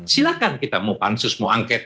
silahkan kita mau pansus mau angket